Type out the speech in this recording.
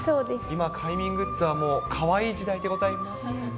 今、快眠グッズはかわいい時代でございます。